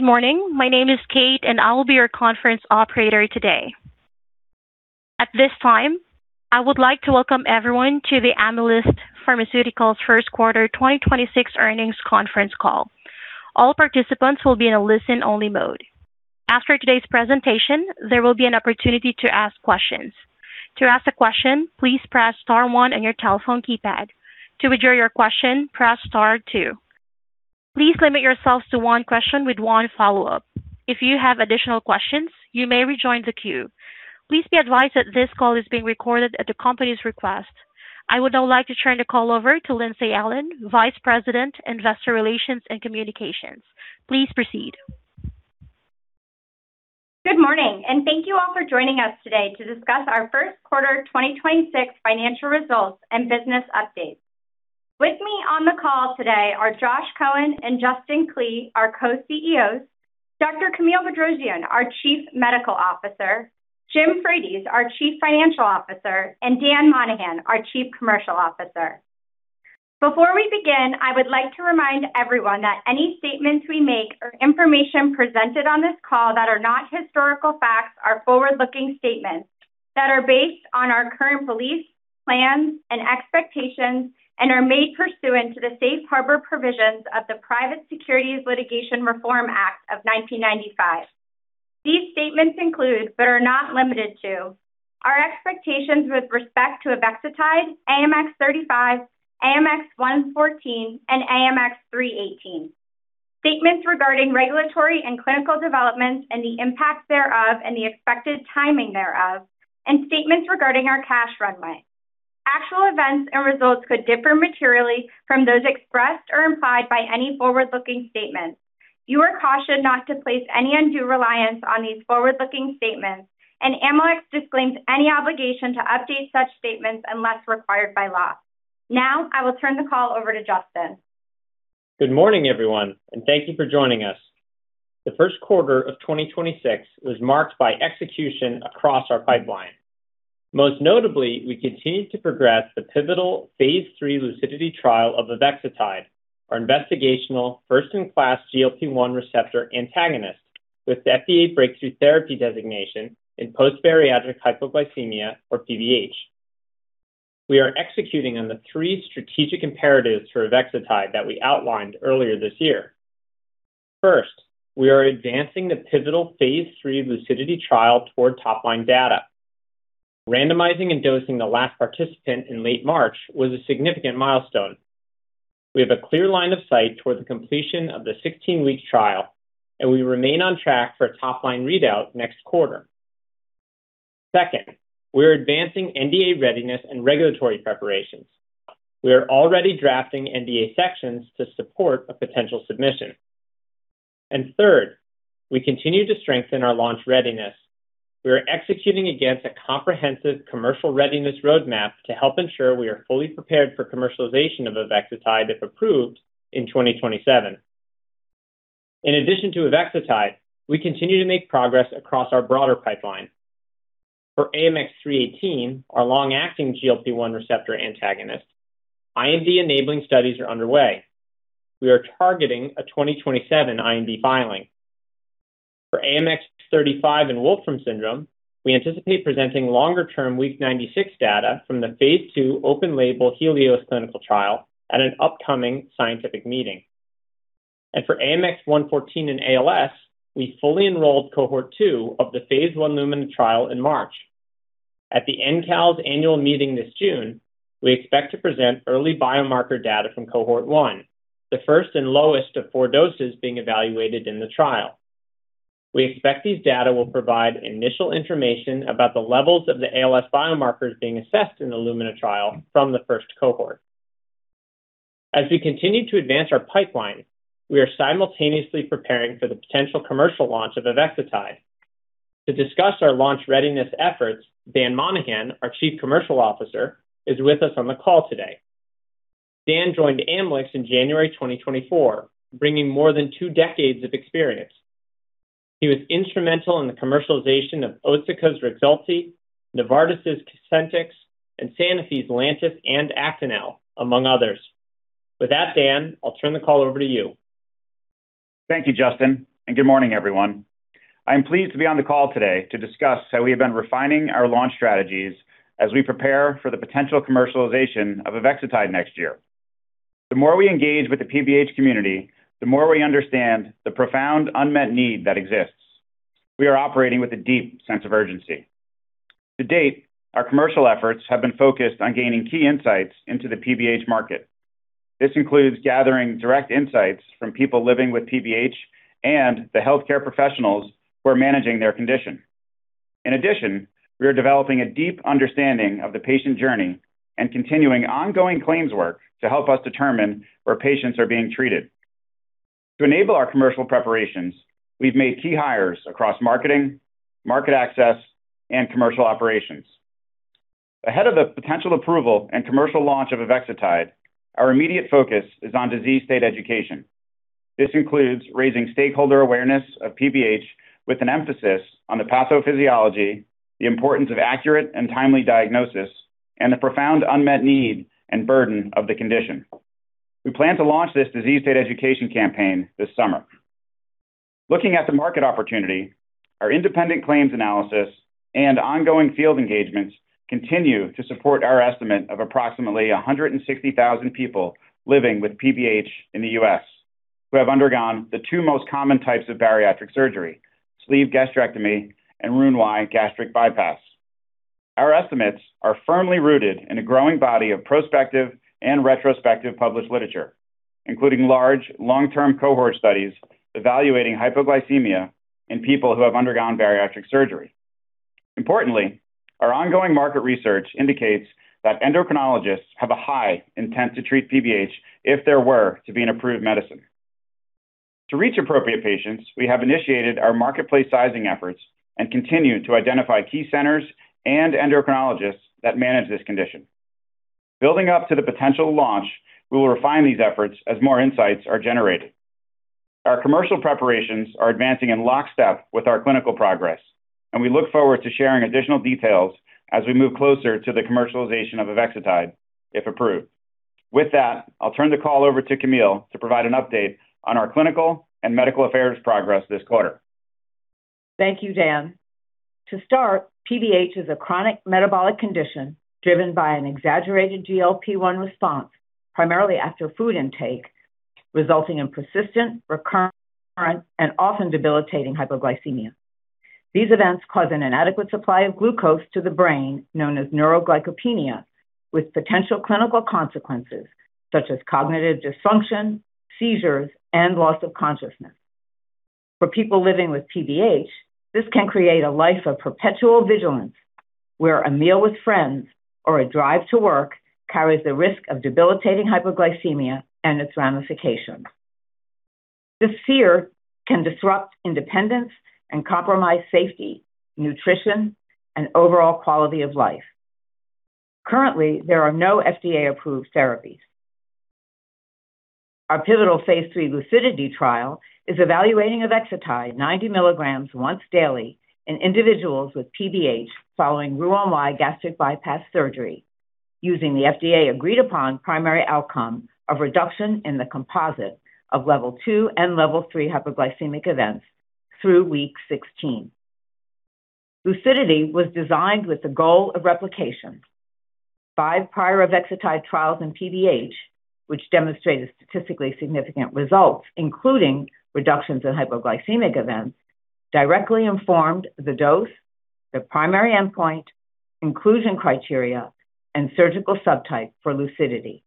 Good morning. My name is Kate. I will be your conference operator today. At this time, I would like to welcome everyone to the Amylyx Pharmaceuticals first quarter 2026 earnings conference call. All participants will be in a listen-only mode. After today's presentation, there will be an opportunity to ask questions. To ask a question, please press star one on your telephone keypad. To withdraw your question, press star two. Please limit yourselves to one question with one follow-up. If you have additional questions, you may rejoin the queue. Please be advised that this call is being recorded at the company's request. I would now like to turn the call over to Lindsey Allen, Vice President, Investor Relations and Communications. Please proceed. Good morning, thank you all for joining us today to discuss our first quarter 2026 financial results and business updates. With me on the call today are Josh Cohen and Justin Klee, our Co-CEOs, Dr. Camille L. Bedrosian, our Chief Medical Officer, Jim Frates, our Chief Financial Officer, and Dan Monahan, our Chief Commercial Officer. Before we begin, I would like to remind everyone that any statements we make or information presented on this call that are not historical facts are forward-looking statements that are based on our current beliefs, plans, and expectations and are made pursuant to the safe harbor provisions of the Private Securities Litigation Reform Act of 1995. These statements include, but are not limited to, our expectations with respect to avexitide, AMX0035, AMX0114, and AMX0318. Statements regarding regulatory and clinical developments and the impact thereof and the expected timing thereof, and statements regarding our cash runway. Actual events and results could differ materially from those expressed or implied by any forward-looking statement. You are cautioned not to place any undue reliance on these forward-looking statements, and Amylyx disclaims any obligation to update such statements unless required by law. Now, I will turn the call over to Justin. Good morning, everyone, and thank you for joining us. The first quarter of 2026 was marked by execution across our pipeline. Most notably, we continued to progress the pivotal phase III LUCIDITY trial of avexitide, our investigational first-in-class GLP-1 receptor antagonist with FDA breakthrough therapy designation in post-bariatric hypoglycemia, or PBH. We are executing on the three strategic imperatives for avexitide that we outlined earlier this year. First, we are advancing the pivotal phase III LUCIDITY trial toward top-line data. Randomizing and dosing the last participant in late March was a significant milestone. We have a clear line of sight toward the completion of the 16-week trial, and we remain on track for a top-line readout next quarter. Second, we're advancing NDA readiness and regulatory preparations. We are already drafting NDA sections to support a potential submission. Third, we continue to strengthen our launch readiness. We are executing against a comprehensive commercial readiness roadmap to help ensure we are fully prepared for commercialization of avexitide if approved in 2027. In addition to avexitide, we continue to make progress across our broader pipeline. For AMX0318, our long-acting GLP-1 receptor antagonist, IND-enabling studies are underway. We are targeting a 2027 IND filing. For AMX0035 in Wolfram syndrome, we anticipate presenting longer-term week 96 data from the phase II open-label HELIOS clinical trial at an upcoming scientific meeting. For AMX0114 in ALS, we fully enrolled Cohort 2 of the phase I LUMINA trial in March. At the NEALS annual meeting this June, we expect to present early biomarker data from Cohort 1, the first and lowest of four doses being evaluated in the trial. We expect these data will provide initial information about the Levels of the ALS biomarkers being assessed in the LUMINA trial from the first cohort. As we continue to advance our pipeline, we are simultaneously preparing for the potential commercial launch of avexitide. To discuss our launch readiness efforts, Dan Monahan, our Chief Commercial Officer, is with us on the call today. Dan joined Amylyx in January 2024, bringing more than two decades of experience. He was instrumental in the commercialization of Otsuka's REXULTI, Novartis' Cosentyx, and Sanofi's Lantus and Actonel, among others. With that, Dan, I'll turn the call over to you. Thank you, Justin. Good morning, everyone. I'm pleased to be on the call today to discuss how we have been refining our launch strategies as we prepare for the potential commercialization of avexitide next year. The more we engage with the PBH community, the more we understand the profound unmet need that exists. We are operating with a deep sense of urgency. To date, our commercial efforts have been focused on gaining key insights into the PBH market. This includes gathering direct insights from people living with PBH and the healthcare professionals who are managing their condition. In addition, we are developing a deep understanding of the patient journey and continuing ongoing claims work to help us determine where patients are being treated. To enable our commercial preparations, we've made key hires across marketing, market access, and commercial operations. Ahead of the potential approval and commercial launch of avexitide, our immediate focus is on disease state education. This includes raising stakeholder awareness of PBH with an emphasis on the pathophysiology, the importance of accurate and timely diagnosis. The profound unmet need and burden of the condition. We plan to launch this disease state education campaign this summer. Looking at the market opportunity, our independent claims analysis and ongoing field engagements continue to support our estimate of approximately 160,000 people living with PBH in the U.S., who have undergone the two most common types of bariatric surgery, sleeve gastrectomy and Roux-en-Y gastric bypass. Our estimates are firmly rooted in a growing body of prospective and retrospective published literature, including large long-term cohort studies evaluating hypoglycemia in people who have undergone bariatric surgery. Importantly, our ongoing market research indicates that endocrinologists have a high intent to treat PBH if there were to be an approved medicine. To reach appropriate patients, we have initiated our marketplace sizing efforts and continue to identify key centers and endocrinologists that manage this condition. Building up to the potential launch, we will refine these efforts as more insights are generated. Our commercial preparations are advancing in lockstep with our clinical progress, and we look forward to sharing additional details as we move closer to the commercialization of avexitide, if approved. With that, I'll turn the call over to Camille to provide an update on our clinical and medical affairs progress this quarter. Thank you, Dan. To start, PBH is a chronic metabolic condition driven by an exaggerated GLP-1 response, primarily after food intake, resulting in persistent, recurrent, and often debilitating hypoglycemia. These events cause an inadequate supply of glucose to the brain, known as neuroglycopenia, with potential clinical consequences such as cognitive dysfunction, seizures, and loss of consciousness. For people living with PBH, this can create a life of perpetual vigilance, where a meal with friends or a drive to work carries the risk of debilitating hypoglycemia and its ramifications. This fear can disrupt independence and compromise safety, nutrition, and overall quality of life. Currently, there are no FDA-approved therapies. Our pivotal phase III LUCIDITY trial is evaluating avexitide 90 milligrams once daily in individuals with PBH following Roux-en-Y gastric bypass surgery, using the FDA agreed-upon primary outcome of reduction in the composite of Level 2 and Level 3 hypoglycemic events through week 16. LUCIDITY was designed with the goal of replication. Five prior avexitide trials in PBH, which demonstrated statistically significant results, including reductions in hypoglycemic events, directly informed the dose, the primary endpoint, inclusion criteria, and surgical subtype for LUCIDITY.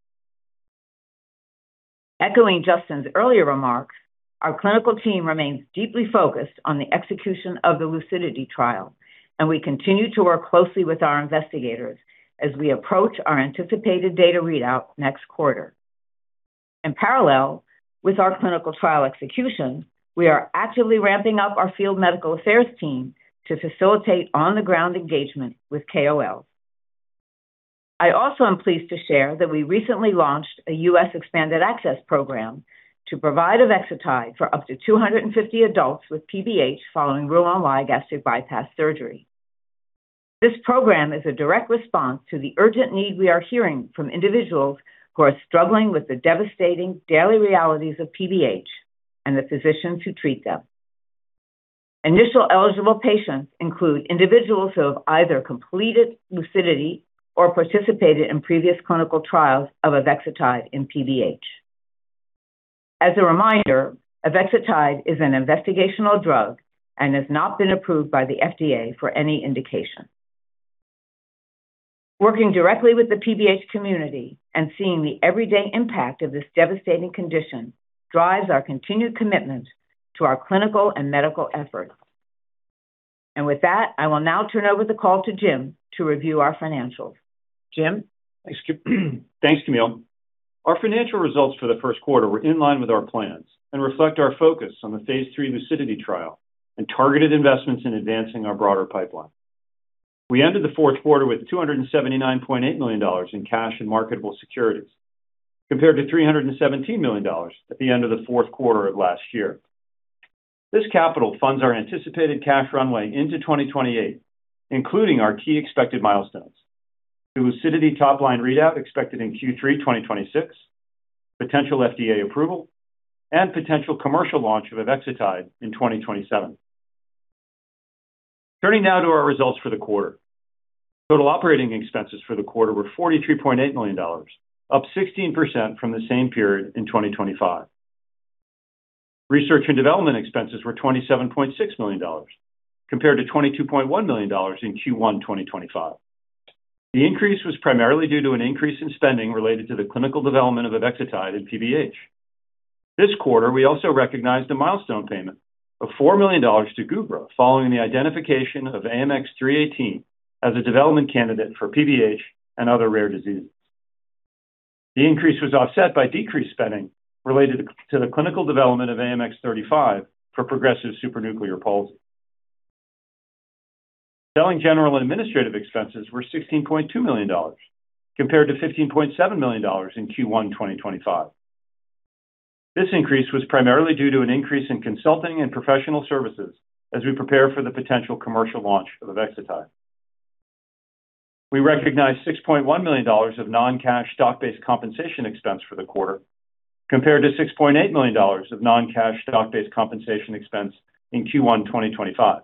Echoing Justin's earlier remarks, our clinical team remains deeply focused on the execution of the LUCIDITY trial, and we continue to work closely with our investigators as we approach our anticipated data readout next quarter. In parallel with our clinical trial execution, we are actively ramping up our field medical affairs team to facilitate on-the-ground engagement with KOLs. I also am pleased to share that we recently launched a U.S. expanded access program to provide avexitide for up to 250 adults with PBH following Roux-en-Y gastric bypass surgery. This program is a direct response to the urgent need we are hearing from individuals who are struggling with the devastating daily realities of PBH and the physicians who treat them. Initial eligible patients include individuals who have either completed LUCIDITY or participated in previous clinical trials of avexitide in PBH. As a reminder, avexitide is an investigational drug and has not been approved by the FDA for any indication. Working directly with the PBH community and seeing the everyday impact of this devastating condition drives our continued commitment to our clinical and medical efforts. With that, I will now turn over the call to Jim to review our financials. Jim? Thanks, Camille. Thanks, Camille. Our financial results for the first quarter were in line with our plans and reflect our focus on the phase III LUCIDITY trial and targeted investments in advancing our broader pipeline. We ended the fourth quarter with $279.8 million in cash and marketable securities, compared to $317 million at the end of the fourth quarter of last year. This capital funds our anticipated cash runway into 2028, including our key expected milestones. The LUCIDITY top-line readout expected in Q3 2026, potential FDA approval, and potential commercial launch of avexitide in 2027. Turning now to our results for the quarter. Total operating expenses for the quarter were $43.8 million, up 16% from the same period in 2025. Research and development expenses were $27.6 million, compared to $22.1 million in Q1 2025. The increase was primarily due to an increase in spending related to the clinical development of avexitide in PBH. This quarter, we also recognized a milestone payment of $4 million to Gubra following the identification of AMX0318 as a development candidate for PBH and other rare diseases. The increase was offset by decreased spending related to the clinical development of AMX0035 for progressive supranuclear palsy. Selling, general, and administrative expenses were $16.2 million, compared to $15.7 million in Q1 2025. This increase was primarily due to an increase in consulting and professional services as we prepare for the potential commercial launch of avexitide. We recognized $6.1 million of non-cash stock-based compensation expense for the quarter, compared to $6.8 million of non-cash stock-based compensation expense in Q1 2025.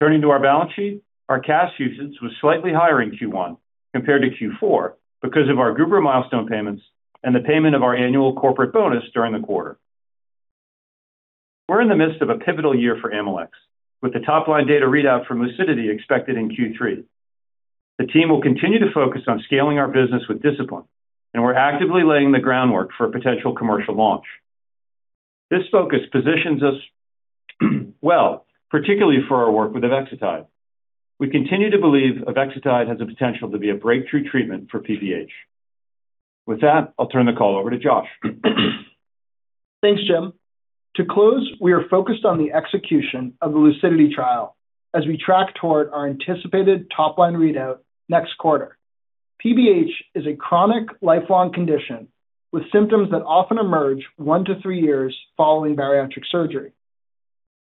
Turning to our balance sheet, our cash usage was slightly higher in Q1 compared to Q4 because of our Gubra milestone payments and the payment of our annual corporate bonus during the quarter. We're in the midst of a pivotal year for Amylyx, with the top-line data readout from LUCIDITY expected in Q3. The team will continue to focus on scaling our business with discipline, and we're actively laying the groundwork for a potential commercial launch. This focus positions us well, particularly for our work with avexitide. We continue to believe avexitide has the potential to be a breakthrough treatment for PBH. With that, I'll turn the call over to Josh. Thanks, Jim. To close, we are focused on the execution of the LUCIDITY trial as we track toward our anticipated top-line readout next quarter. PBH is a chronic lifelong condition with symptoms that often emerge one to three years following bariatric surgery.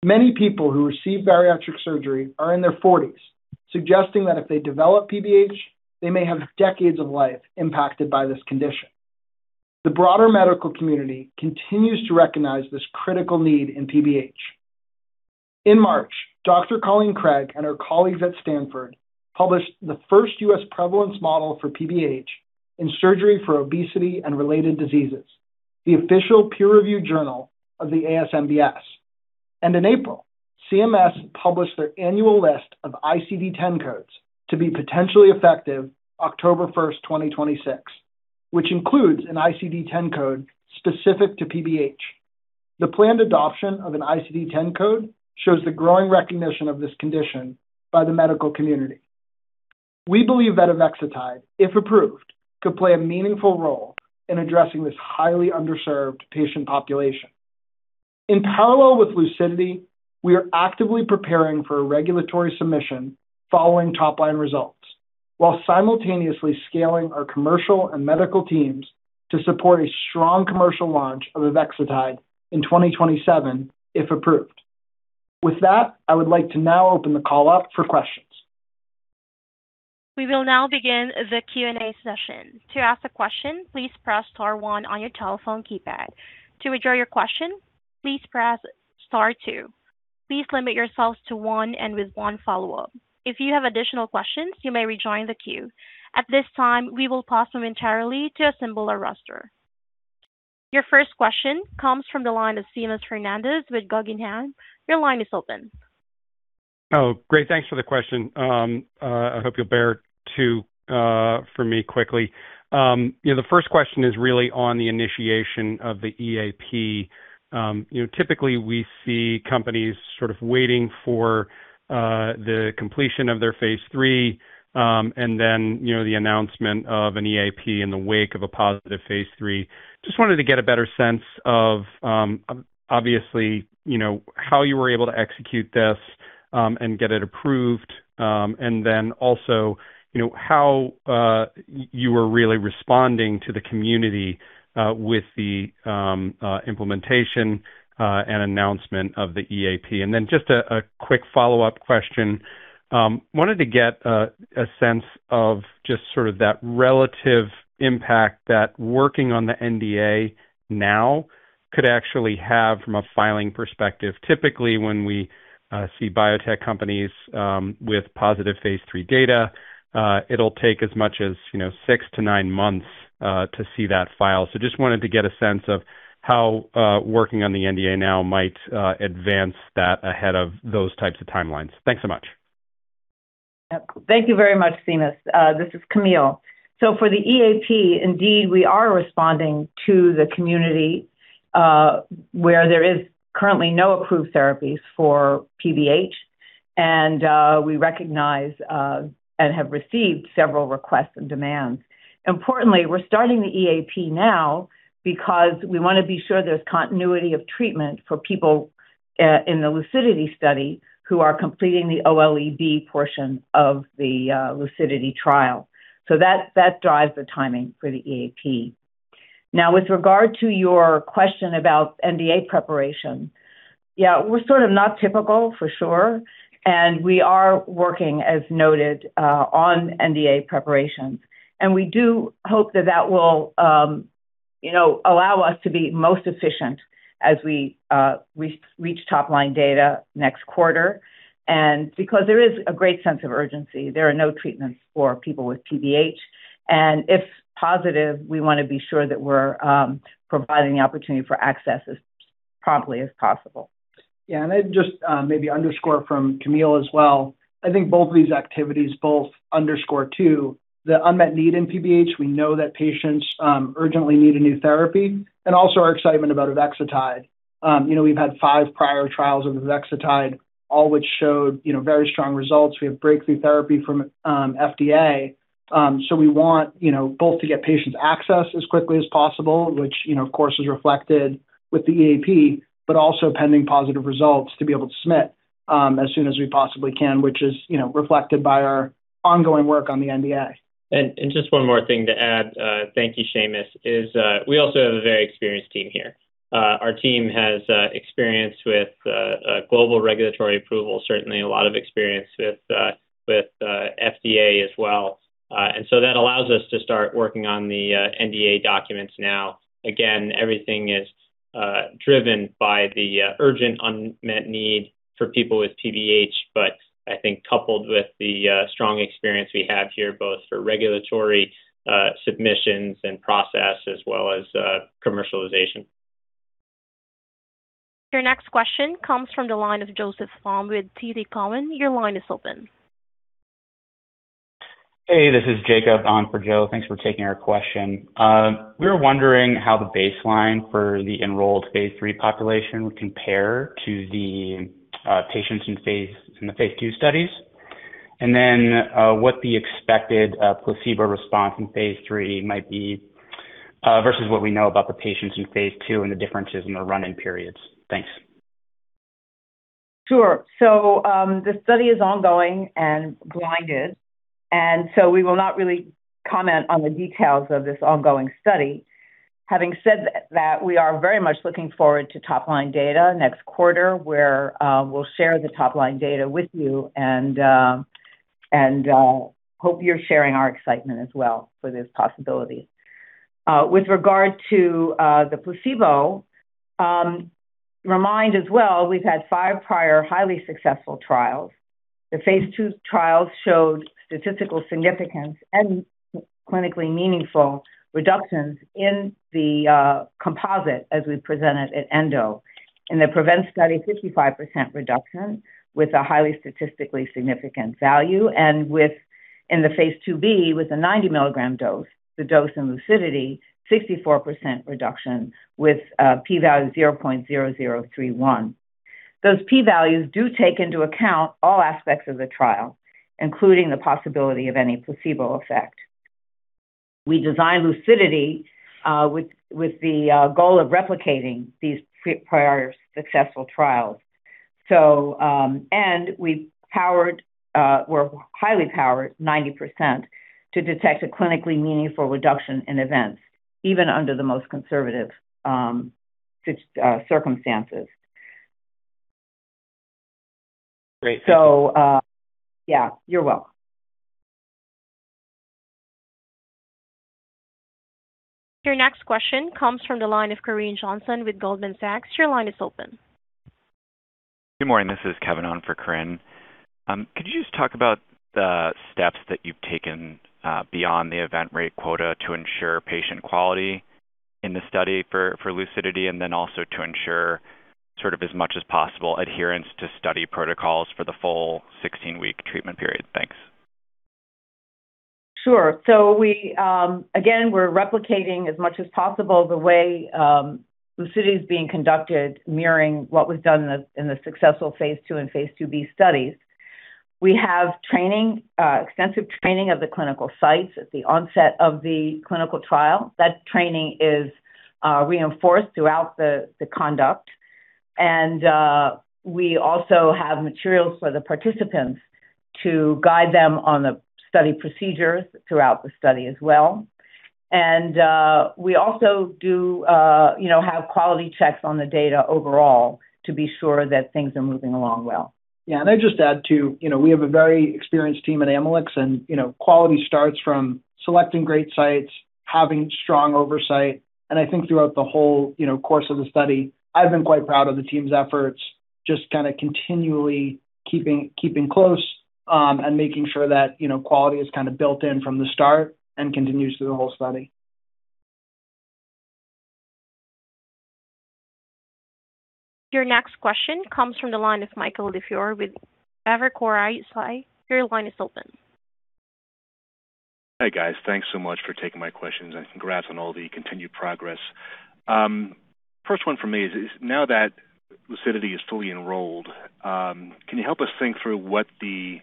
Many people who receive bariatric surgery are in their 40s, suggesting that if they develop PBH, they may have decades of life impacted by this condition. The broader medical community continues to recognize this critical need in PBH. In March, Dr. Colleen Craig and her colleagues at Stanford published the first U.S. prevalence model for PBH in Surgery for Obesity and Related Diseases, the official peer-reviewed journal of the ASMBS. In April, CMS published their annual list of ICD-10 codes to be potentially effective October 1st, 2026, which includes an ICD-10 code specific to PBH. The planned adoption of an ICD-10 code shows the growing recognition of this condition by the medical community. We believe that avexitide, if approved, could play a meaningful role in addressing this highly underserved patient population. In parallel with LUCIDITY, we are actively preparing for a regulatory submission following top-line results, while simultaneously scaling our commercial and medical teams to support a strong commercial launch of avexitide in 2027, if approved. With that, I would like to now open the call up for questions. We will now begin the Q&A session. To ask a question, please press star one on your telephone keypad. To withdraw your question, please press star two. Please limit yourselves to one and with one follow-up. If you have additional questions, you may rejoin the queue. At this time, we will pause momentarily to assemble our roster. Your first question comes from the line of Seamus Fernandez with Guggenheim. Your line is open. Great. Thanks for the question. I hope you'll bear two for me quickly. You know, the first question is really on the initiation of the EAP. You know, typically we see companies sort of waiting for the completion of their phase III, and then, you know, the announcement of an EAP in the wake of a positive phase III. Just wanted to get a better sense of, obviously, you know, how you were able to execute this and get it approved. Also, you know, how you were really responding to the community with the implementation and announcement of the EAP. Just a quick follow-up question. Wanted to get a sense of just sort of that relative impact that working on the NDA now could actually have from a filing perspective. Typically, when we see biotech companies with positive phase III data, it'll take as much as, you know, six to nine months to see that file. Just wanted to get a sense of how working on the NDA now might advance that ahead of those types of timelines. Thanks so much. Thank you very much, Seamus. This is Camille. For the EAP, indeed, we are responding to the community, where there is currently no approved therapies for PBH, we recognize and have received several requests and demands. Importantly, we're starting the EAP now because we wanna be sure there's continuity of treatment for people in the LUCIDITY study who are completing the OLE portion of the LUCIDITY trial. That, that drives the timing for the EAP. Now, with regard to your question about NDA preparation, yeah, we're sort of not typical, for sure, and we are working, as noted, on NDA preparations. We do hope that that will, you know, allow us to be most efficient as we reach top-line data next quarter. Because there is a great sense of urgency, there are no treatments for people with PBH. If positive, we wanna be sure that we're providing the opportunity for access as promptly as possible. I'd just maybe underscore from Camille L. Bedrosian as well. I think both of these activities both underscore, too, the unmet need in PBH. We know that patients urgently need a new therapy and also our excitement about avexitide. You know, we've had five prior trials of avexitide, all which showed, you know, very strong results. We have breakthrough therapy from FDA. We want, you know, both to get patients access as quickly as possible, which, you know, of course, is reflected with the EAP, but also pending positive results to be able to submit as soon as we possibly can, which is, you know, reflected by our ongoing work on the NDA. Just one more thing to add, thank you, Seamus, we also have a very experienced team here. Our team has experience with a global regulatory approval, certainly a lot of experience with FDA as well. That allows us to start working on the NDA documents now. Again, everything is driven by the urgent unmet need for people with PBH, but I think coupled with the strong experience we have here, both for regulatory submissions and process as well as commercialization. Your next question comes from the line of Joseph Wong with TD Cowen. Your line is open. Hey, this is Jacob on for Joe. Thanks for taking our question. We were wondering how the baseline for the enrolled phase III population would compare to the patients in the phase II studies. What the expected placebo response in phase III might be versus what we know about the patients in phase II and the differences in the running periods. Thanks. Sure. The study is ongoing and blinded, we will not really comment on the details of this ongoing study. Having said that, we are very much looking forward to top line data next quarter where we'll share the top line data with you and hope you're sharing our excitement as well for this possibility. With regard to the placebo, remind as well we've had five prior highly successful trials. The phase II trials showed statistical significance and clinically meaningful reductions in the composite as we presented at ENDO. In the PREVENT study, 55% reduction with a highly statistically significant value and with, in the phase II-B with a 90-milligram dose, the dose in LUCIDITY, 64% reduction with a P value 0.0031. Those P values do take into account all aspects of the trial, including the possibility of any placebo effect. We designed LUCIDITY, with the goal of replicating these prior successful trials. We powered, we're highly powered 90% to detect a clinically meaningful reduction in events, even under the most conservative circumstances. Great. Thank you. Yeah, you're welcome. Your next question comes from the line of Corinne Johnson with Goldman Sachs. Your line is open. Good morning. This is Kevin on for Corinne. Could you just talk about the steps that you've taken beyond the event rate quota to ensure patient quality in the study for LUCIDITY and then also to ensure sort of as much as possible adherence to study protocols for the full 16-week treatment period? Thanks. Sure. We, again, we're replicating as much as possible the way LUCIDITY is being conducted, mirroring what was done in the successful phase II and phase II-B studies. We have training, extensive training of the clinical sites at the onset of the clinical trial. That training is reinforced throughout the conduct. We also have materials for the participants to guide them on the study procedures throughout the study as well. We also do, you know, have quality checks on the data overall to be sure that things are moving along well. Yeah, and I'd just add too, you know, we have a very experienced team at Amylyx, and, you know, quality starts from selecting great sites, having strong oversight. I think throughout the whole, you know, course of the study, I've been quite proud of the team's efforts, just kinda continually keeping close, and making sure that, you know, quality is kinda built in from the start and continues through the whole study. Your next question comes from the line of Michael DiFiore with Evercore ISI. Your line is open. Hi, guys. Thanks so much for taking my questions, and congrats on all the continued progress. First one from me is now that LUCIDITY is fully enrolled, can you help us think through what the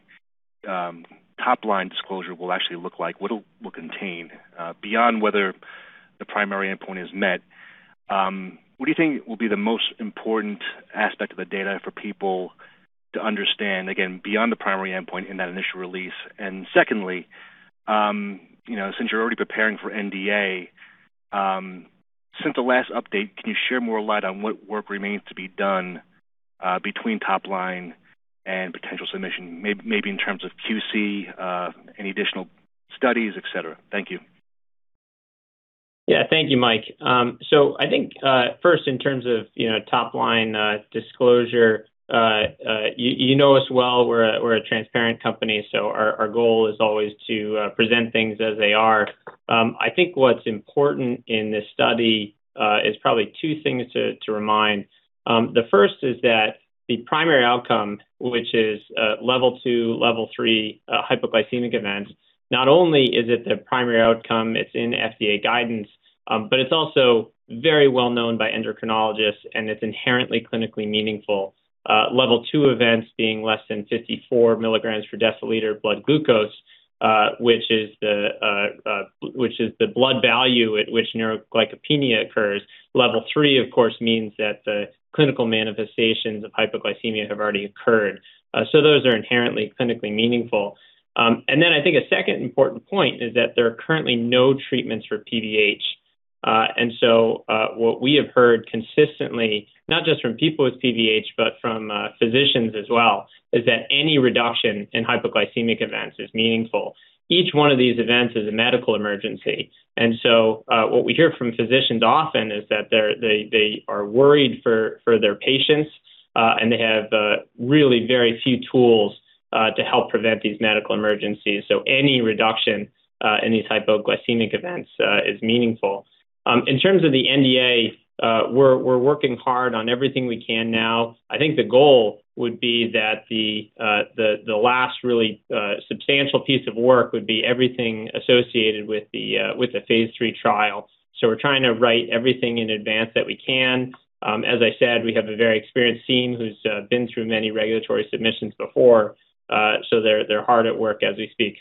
top line disclosure will actually look like? What it will contain beyond whether the primary endpoint is met. What do you think will be the most important aspect of the data for people to understand, again, beyond the primary endpoint in that initial release? Secondly, you know, since you're already preparing for NDA, since the last update, can you share more light on what work remains to be done between top line and potential submission, maybe in terms of QC, any additional studies, et cetera? Thank you. Thank you, Mike. I think, first in terms of, you know, top line disclosure, you know us well. We're a transparent company, our goal is always to present things as they are. I think what's important in this study is probably two things to remind. The first is that the primary outcome, which is Level 2, Level 3 hypoglycemic events, not only is it the primary outcome, it's in FDA guidance, it's also very well known by endocrinologists, it's inherently clinically meaningful. Level 2 events being less than 54 milligrams per deciliter blood glucose. Which is the blood value at which neuroglycopenia occurs. Level 3, of course, means that the clinical manifestations of hypoglycemia have already occurred. Those are inherently clinically meaningful. I think a second important point is that there are currently no treatments for PBH. What we have heard consistently, not just from people with PBH but from physicians as well, is that any reduction in hypoglycemic events is meaningful. Each one of these events is a medical emergency. What we hear from physicians often is that they are worried for their patients, and they have really very few tools to help prevent these medical emergencies. Any reduction in these hypoglycemic events is meaningful. In terms of the NDA, we're working hard on everything we can now. I think the goal would be that the last really substantial piece of work would be everything associated with the phase III trial. We're trying to write everything in advance that we can. As I said, we have a very experienced team who's been through many regulatory submissions before. They're hard at work as we speak.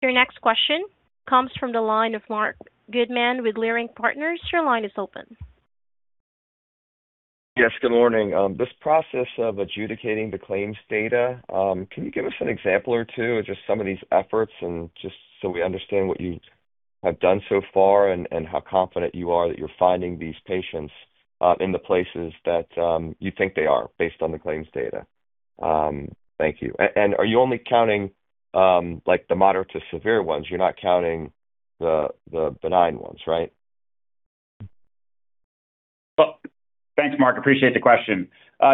Your next question comes from the line of Marc Goodman with Leerink Partners. Your line is open. Yes, good morning. This process of adjudicating the claims data, can you give us an example or two of just some of these efforts and just so we understand what you have done so far and how confident you are that you're finding these patients in the places that you think they are based on the claims data? Thank you. Are you only counting, like, the moderate to severe ones? You're not counting the benign ones, right? Well, thanks, Marc. Appreciate the question.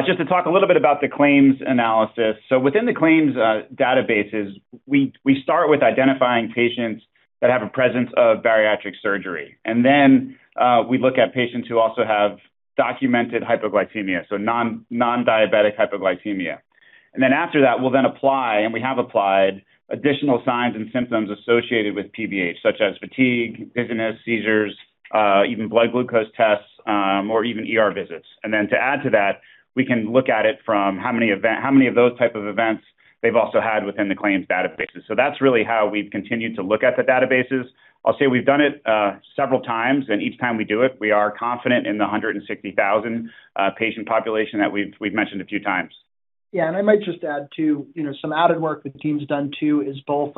Just to talk a little bit about the claims analysis. Within the claims databases, we start with identifying patients that have a presence of bariatric surgery. Then we look at patients who also have documented hypoglycemia, so non-diabetic hypoglycemia. After that, we'll then apply, and we have applied, additional signs and symptoms associated with PBH such as fatigue, dizziness, seizures, even blood glucose tests, or even ER visits. To add to that, we can look at it from how many of those type of events they've also had within the claims databases. That's really how we've continued to look at the databases. I'll say we've done it several times, and each time we do it, we are confident in the 160,000 patient population that we've mentioned a few times. Yeah, I might just add, too, you know, some added work the team's done too is both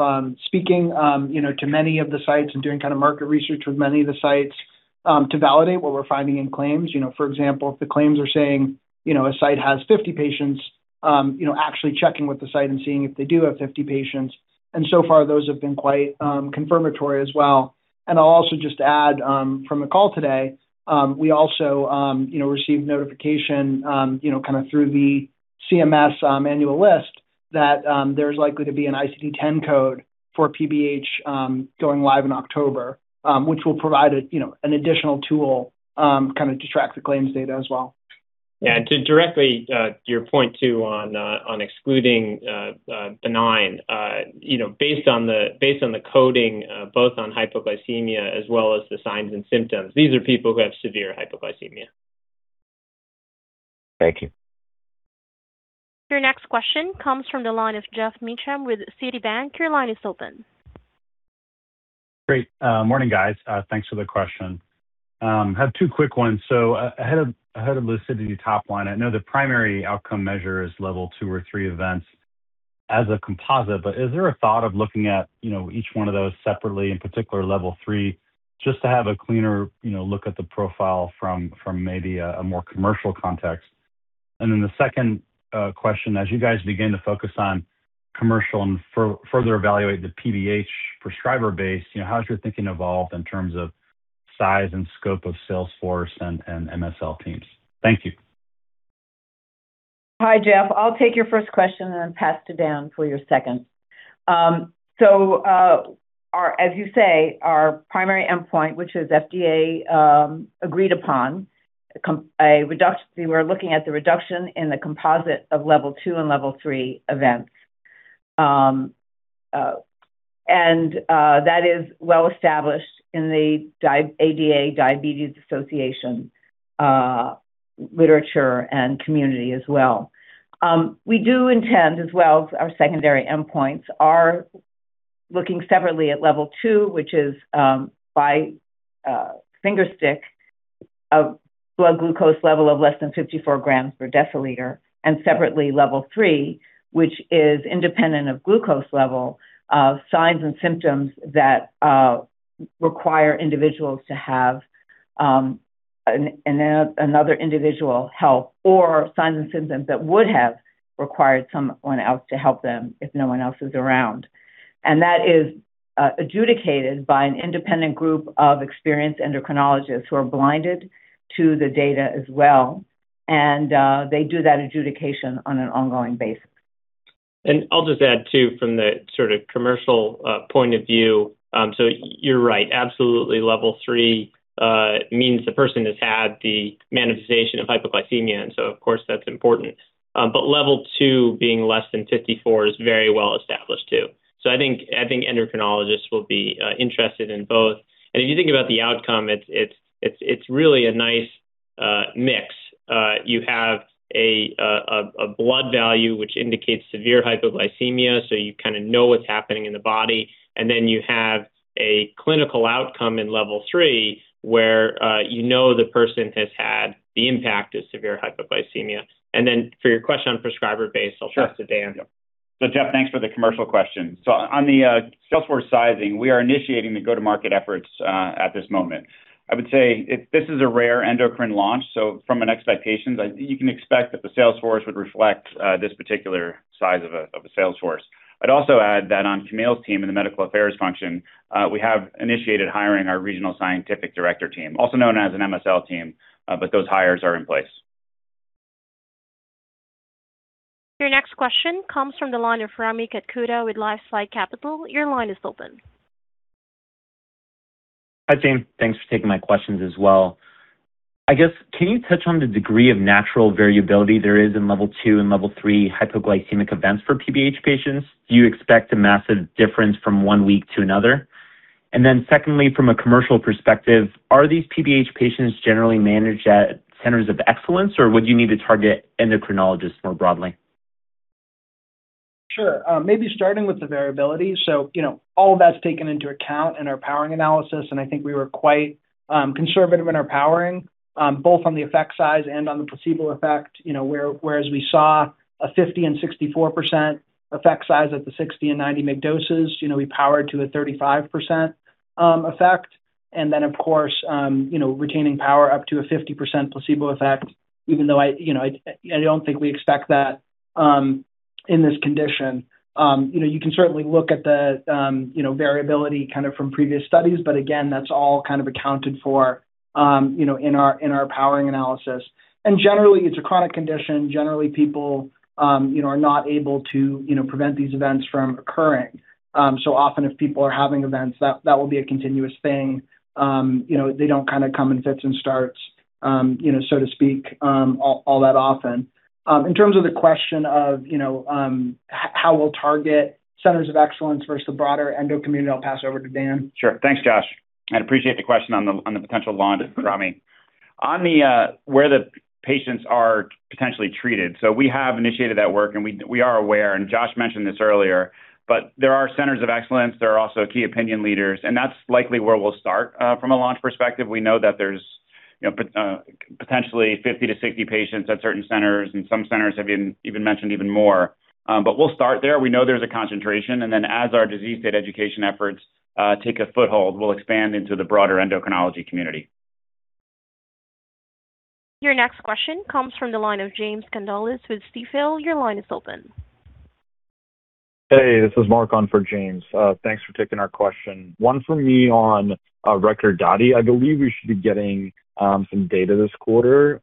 speaking, you know, to many of the sites and doing kind of market research with many of the sites, to validate what we're finding in claims. You know, for example, if the claims are saying, you know, a site has 50 patients, you know, actually checking with the site and seeing if they do have 50 patients. So far, those have been quite confirmatory as well. I'll also just add, from the call today, we also, you know, received notification, you know, kind of through the CMS manual list that there's likely to be an ICD-10 code for PBH, going live in October, which will provide a, you know, an additional tool, kind of to track the claims data as well. Yeah. To directly to your point too on on excluding benign, you know, based on the coding, both on hypoglycemia as well as the signs and symptoms, these are people who have severe hypoglycemia. Thank you. Your next question comes from the line of Geoff Meacham with Citibank. Your line is open. Great. Morning, guys. Thanks for the question. Have two quick ones. Ahead of LUCIDITY top line, I know the primary outcome measure is Level 2 or 3 events as a composite. Is there a thought of looking at, you know, each one of those separately, in particular Level 3, just to have a cleaner, you know, look at the profile from maybe a more commercial context? The second question, as you guys begin to focus on commercial and further evaluate the PBH prescriber base, you know, how has your thinking evolved in terms of size and scope of sales force and MSL teams? Thank you. Hi, Geoff. I'll take your first question and then pass to Dan for your second. Our, as you say, our primary endpoint, which is FDA agreed upon, a reduction. We're looking at the reduction in the composite of Level 2 and Level 3 events. That is well established in the ADA, Diabetes Association literature and community as well. We do intend as well, our secondary endpoints are looking separately at Level 2, which is by a finger stick of blood glucose Level of less than 54 grams per deciliter, and separately Level 3, which is independent of glucose Level, of signs and symptoms that require individuals to have another individual help or signs and symptoms that would have required someone else to help them if no one else is around. That is adjudicated by an independent group of experienced endocrinologists who are blinded to the data as well. They do that adjudication on an ongoing basis. I'll just add too from the sort of commercial point of view, you're right. Absolutely Level 3 means the person has had the manifestation of hypoglycemia, of course that's important. Level 2 being less than 54 is very well established too. I think, I think endocrinologists will be interested in both. If you think about the outcome, it's really a nice. Mix. You have a blood value which indicates severe hypoglycemia, so you kind of know what's happening in the body. You have a clinical outcome in Level 3 where you know the person has had the impact of severe hypoglycemia. For your question on prescriber base, I'll pass it to Dan. Sure. Geoff, thanks for the commercial question. On the sales force sizing, we are initiating the go-to-market efforts at this moment. I would say if this is a rare endocrine launch, from an expectations, you can expect that the sales force would reflect this particular size of a sales force. I'd also add that on Camille's team in the medical affairs function, we have initiated hiring our regional scientific director team, also known as an MSL team, those hires are in place. Your next question comes from the line of Rami Katkhuda with LifeSci Capital. Your line is open. Hi, team. Thanks for taking my questions as well. I guess, can you touch on the degree of natural variability there is in Level 2 and Level 3 hypoglycemic events for PBH patients? Do you expect a massive difference from one week to another? Secondly, from a commercial perspective, are these PBH patients generally managed at centers of excellence, or would you need to target endocrinologists more broadly? Sure. Maybe starting with the variability. You know, all that's taken into account in our powering analysis, and I think we were quite conservative in our powering, both on the effect size and on the placebo effect. You know, whereas we saw a 50% and 64% effect size at the 60 and 90 mg doses, you know, we powered to a 35% effect. Of course, you know, retaining power up to a 50% placebo effect even though I, you know, I don't think we expect that in this condition. You know, you can certainly look at the, you know, variability kind of from previous studies, but again, that's all kind of accounted for, you know, in our, in our powering analysis. Generally, it's a chronic condition. Generally, people, you know, are not able to, you know, prevent these events from occurring. Often if people are having events, that will be a continuous thing. You know, they don't kind of come in fits and starts, you know, so to speak, all that often. In terms of the question of, you know, how we'll target centers of excellence versus the broader endo community, I'll pass over to Dan. Sure. Thanks, Josh. I appreciate the question on the potential launch, Rami. On the where the patients are potentially treated. We have initiated that work, and we are aware, and Josh mentioned this earlier, but there are Centers of Excellence, there are also Key Opinion Leaders, and that's likely where we'll start from a launch perspective. We know that there's, you know, potentially 50 to 60 patients at certain centers, and some centers have been even mentioned even more. We'll start there. We know there's a concentration, as our disease state education efforts take a foothold, we'll expand into the broader endocrinology community. Your next question comes from the line of James Condulis with Stifel. Your line is open. Hey, this is Mark on for James. Thanks for taking our question. One for me on Recordati. I believe we should be getting some data this quarter.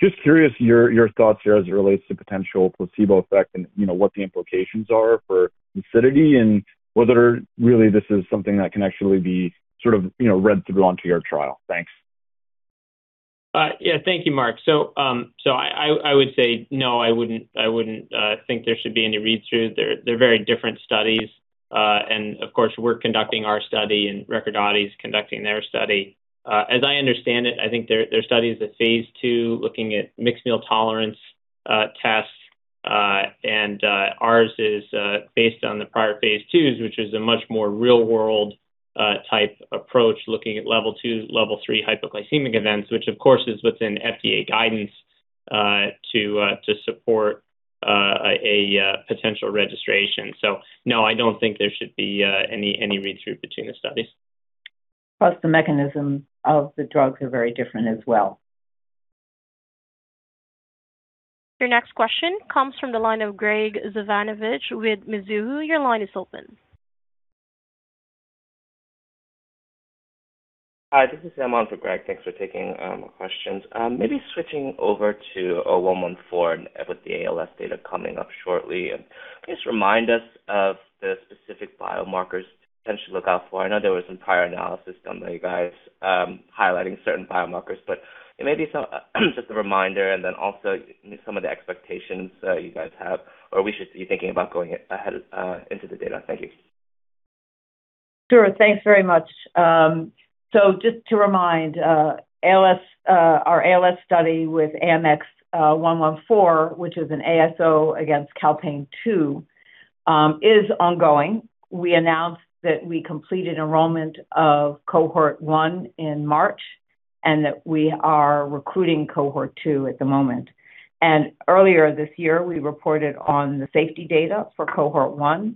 Just curious your thoughts here as it relates to potential placebo effect and, you know, what the implications are for LUCIDITY and whether really this is something that can actually be sort of, you know, read through onto your trial. Thanks. Yeah. Thank you, Mark. I would say no, I wouldn't think there should be any read-through. They're very different studies. Of course, we're conducting our study and Recordati's conducting their study. As I understand it, I think their study is a phase II looking at mixed meal tolerance tests. Ours is based on the prior phase IIs, which is a much more real world type approach, looking at Level 2, Level 3 hypoglycemic events, which of course is within FDA guidance to support a potential registration. No, I don't think there should be any read-through between the studies. The mechanism of the drugs are very different as well. Your next question comes from the line of Graig Suvannavejh with Mizuho. Your line is open. Hi, this is Aman for Graig. Thanks for taking our questions. Maybe switching over to AMX0114 with the ALS data coming up shortly. Can you just remind us of the specific biomarkers to potentially look out for? I know there was some prior analysis done by you guys, highlighting certain biomarkers, but maybe just a reminder and then also some of the expectations you guys have or we should be thinking about going a ahead into the data. Thank you. Sure. Thanks very much. Just to remind, ALS, our ALS study with AMX0114, which is an ASO against calpain-2, is ongoing. We announced that we completed enrollment of Cohort 1 in March, and that we are recruiting Cohort 2 at the moment. Earlier this year, we reported on the safety data for Cohort 1,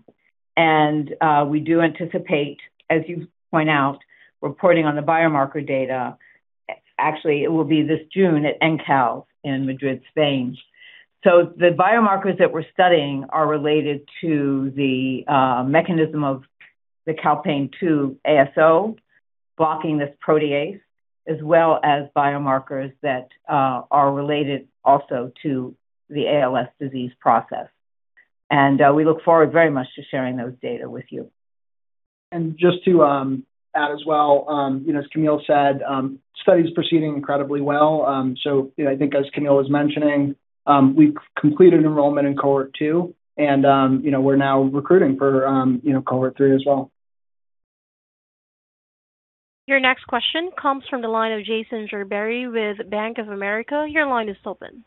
and we do anticipate, as you point out, reporting on the biomarker data. Actually, it will be this June at ECTRIMS in Madrid, Spain. The biomarkers that we're studying are related to the mechanism of the calpain-2 ASO blocking this protease, as well as biomarkers that are related also to the ALS disease process. We look forward very much to sharing those data with you. Just to add as well, you know, as Camille said, study's proceeding incredibly well. You know, I think as Camille was mentioning, we've completed enrollment in Cohort 2 and, you know, we're now recruiting for, you know, Cohort 3 as well. Your next question comes from the line of Jason Gerberry with Bank of America. Your line is open.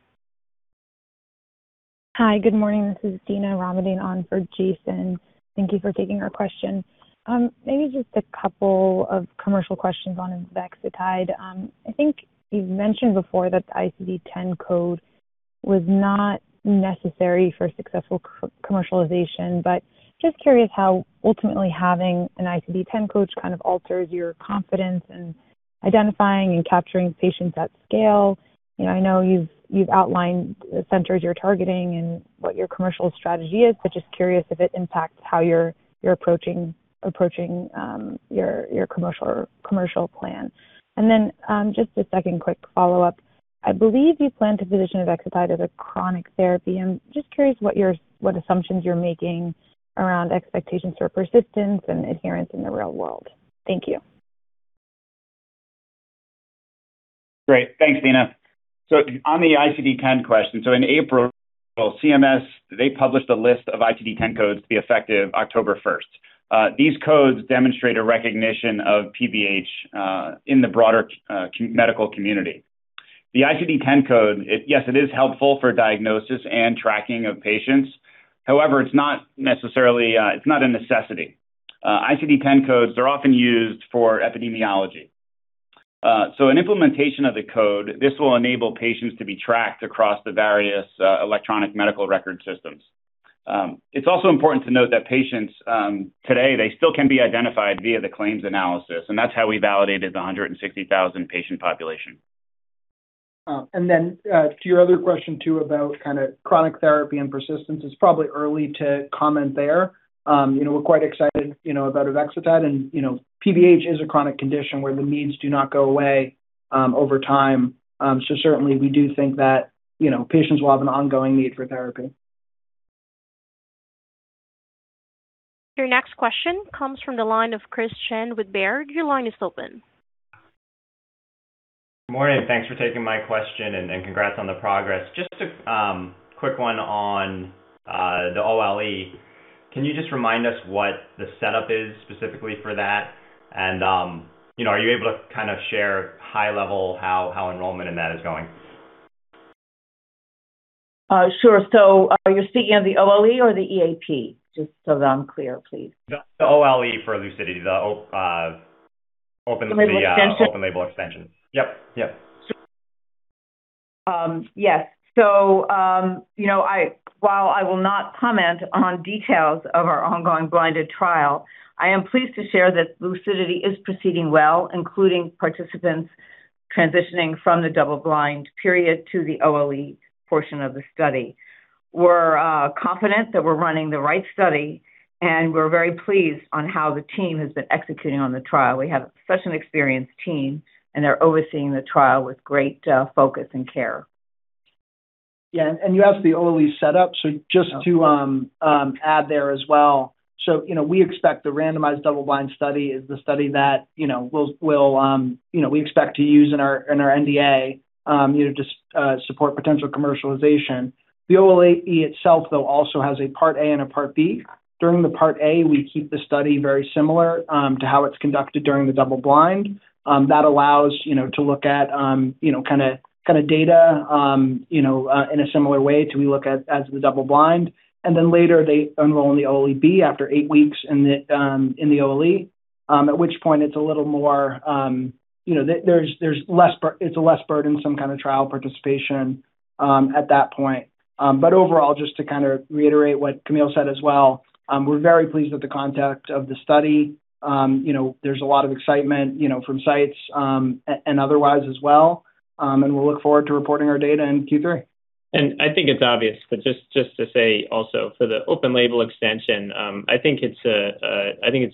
Hi. Good morning. This is Dina Ramadane on for Jason. Thank you for taking our question. Maybe just a couple of commercial questions on avexitide. I think you've mentioned before that the ICD-10 code was not necessary for successful commercialization. Just curious how ultimately having an ICD-10 code kind of alters your confidence in identifying and capturing patients at scale. You know, I know you've outlined the centers you're targeting and what your commercial strategy is. Just curious if it impacts how you're approaching your commercial plan. Just a second quick follow-up. I believe you plan to position avexitide as a chronic therapy. I'm just curious what assumptions you're making around expectations for persistence and adherence in the real world. Thank you. Great. Thanks, Dina. On the ICD-10 question. In April, CMS, they published a list of ICD-10 codes to be effective October 1st. These codes demonstrate a recognition of PBH in the broader medical community. The ICD-10 code, it Yes, it is helpful for diagnosis and tracking of patients. However, it's not necessarily, it's not a necessity. ICD-10 codes are often used for epidemiology. An implementation of the code, this will enable patients to be tracked across the various electronic medical record systems. It's also important to note that patients today, they still can be identified via the claims analysis, and that's how we validated the 160,000 patient population. To your other question too, about kinda chronic therapy and persistence, it's probably early to comment there. You know, we're quite excited, you know, about avexitide and, you know, PBH is a chronic condition where the needs do not go away over time. Certainly, we do think that, you know, patients will have an ongoing need for therapy. Your next question comes from the line of Christopher Chen with Baird. Your line is open. Morning. Thanks for taking my question, and congrats on the progress. Just a quick one on the OLE. Can you just remind us what the setup is specifically for that? You know, are you able to kind of share high level how enrollment in that is going? Sure. Are you speaking of the OLE or the EAP? Just so that I'm clear, please. The OLE for LUCIDITY. Label extension. The Open-Label Extension. Yep. Yes. You know, while I will not comment on details of our ongoing blinded trial, I am pleased to share that LUCIDITY is proceeding well, including participants transitioning from the double-blind period to the OLE portion of the study. We're confident that we're running the right study, and we're very pleased on how the team has been executing on the trial. We have such an experienced team, and they're overseeing the trial with great focus and care. Yeah. You asked the OLE setup. Add there as well. You know, we expect the randomized double-blind study is the study that, you know, we'll, you know, we expect to use in our, in our NDA, you know, to support potential commercialization. The OLE itself, though, also has a part A and a part B. During the part A, we keep the study very similar to how it's conducted during the double blind. That allows, you know, to look at, you know, kinda data, you know, in a similar way to we look at, as the double blind. Later, they enroll in the OLE B after eight weeks in the OLE, at which point it's a little more, you know, there's less burdensome kind of trial participation at that point. Overall, just to kind of reiterate what Camille said as well, we're very pleased with the conduct of the study. You know, there's a lot of excitement, you know, from sites and otherwise as well. We'll look forward to reporting our data in Q3. I think it's obvious, but just to say also for the Open-Label Extension, I think it's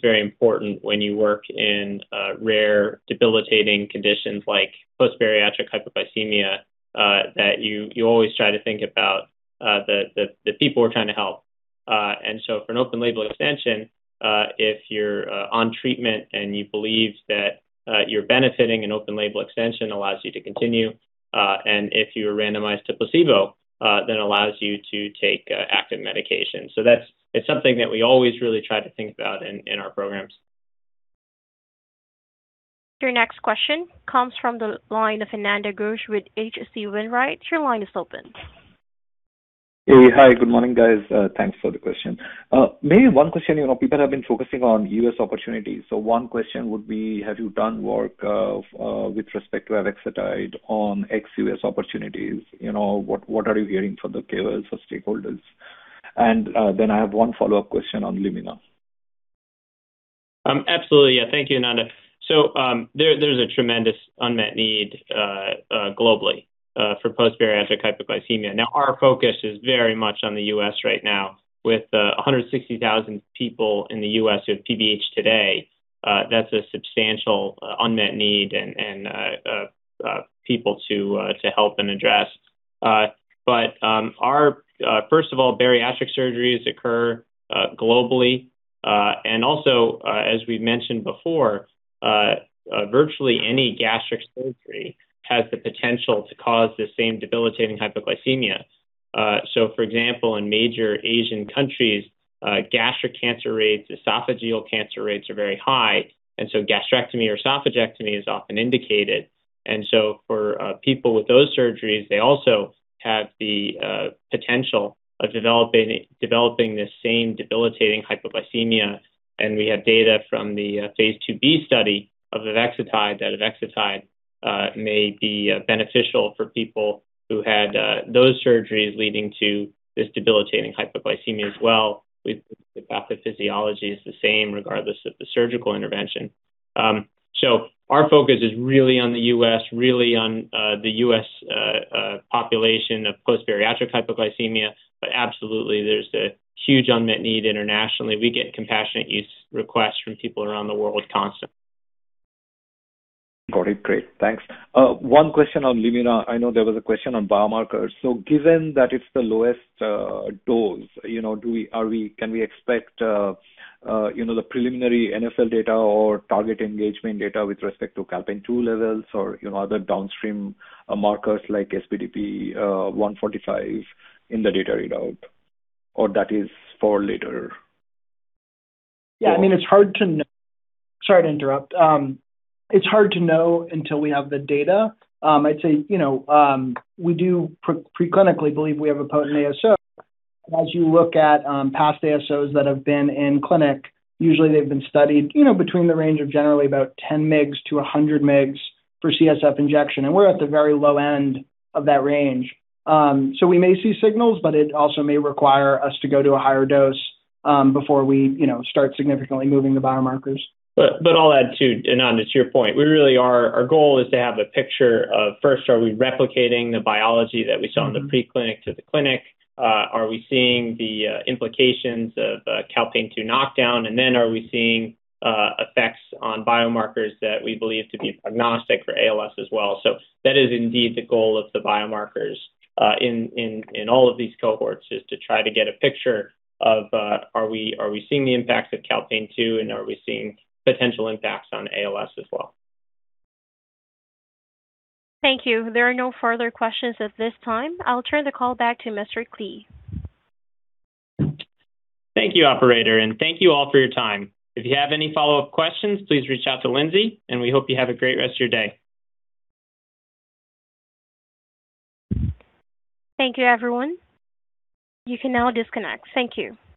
very important when you work in rare debilitating conditions like post-bariatric hypoglycemia, that you always try to think about the people we're trying to help. For an Open-Label Extension, if you're on treatment and you believe that you're benefiting, an Open-Label Extension allows you to continue. If you were randomized to placebo, then it allows you to take active medication. It's something that we always really try to think about in our programs. Your next question comes from the line of Ananda Ghosh with H.C. Wainwright. Your line is open. Hey. Hi. Good morning, guys. Thanks for the question. Maybe one question. You know, people have been focusing on U.S. opportunities. One question would be, have you done work with respect to avexitide on ex-U.S. opportunities? You know, what are you hearing from the payers or stakeholders? Then I have one follow-up question on LUMINA. Absolutely. Thank you, Ananda. There's a tremendous unmet need globally for post-bariatric hypoglycemia. Our focus is very much on the U.S. right now. With 160,000 people in the U.S. who have PBH today, that's a substantial unmet need and people to help and address. First of all, bariatric surgeries occur globally. Also, as we've mentioned before, virtually any gastric surgery has the potential to cause the same debilitating hypoglycemia. For example, in major Asian countries, gastric cancer rates, esophageal cancer rates are very high, and so gastrectomy or esophagectomy is often indicated. For people with those surgeries, they also have the potential of developing the same debilitating hypoglycemia. We have data from the phase IIb study of avexitide, that avexitide may be beneficial for people who had those surgeries leading to this debilitating hypoglycemia as well. The pathophysiology is the same regardless of the surgical intervention. Our focus is really on the U.S., really on the U.S. population of post-bariatric hypoglycemia, but absolutely there's a huge unmet need internationally. We get compassionate use requests from people around the world constantly. Got it. Great. Thanks. One question on LUMINA. I know there was a question on biomarkers. Given that it's the lowest dose, you know, can we expect, you know, the preliminary NfL data or target engagement data with respect to calpain-2 levels or, you know, other downstream markers like SBDP 145 in the data readout, or that is for later? Yeah, I mean, it's hard to know. Sorry to interrupt. It's hard to know until we have the data. I'd say, you know, we do preclinically believe we have a potent ASO. As you look at past ASOs that have been in clinic, usually they've been studied, you know, between the range of generally about 10 mgs to 100 mgs for CSF injection, and we're at the very low end of that range. We may see signals, but it also may require us to go to a higher dose before we, you know, start significantly moving the biomarkers. I'll add too, Anand, to your point. Our goal is to have a picture of, first, are we replicating the biology that we saw in the pre-clinic to the clinic? Are we seeing the implications of calpain-2 knockdown? Then are we seeing effects on biomarkers that we believe to be prognostic for ALS as well? That is indeed the goal of the biomarkers in all of these cohorts, is to try to get a picture of, are we seeing the impacts of calpain-2, and are we seeing potential impacts on ALS as well? Thank you. There are no further questions at this time. I'll turn the call back to Mr. Klee. Thank you, operator, and thank you all for your time. If you have any follow-up questions, please reach out to Lindsey, and we hope you have a great rest of your day. Thank you, everyone. You can now disconnect. Thank you.